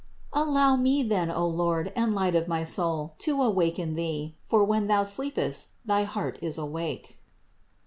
Allow me, then, O Lord and light of my soul, to awaken Thee ; for when thou sleepest thy heart is awake."